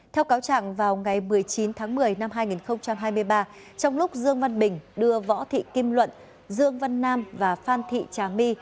theo cáo trạng vào ngày một mươi chín tháng một mươi năm hai nghìn hai mươi ba trong lúc dương văn bình đưa võ thị kim luận dương văn nam và phan thị trà my